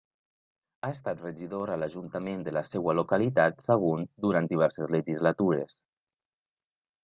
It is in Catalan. Ha estat regidor a l'ajuntament de la seua localitat, Sagunt, durant diverses legislatures.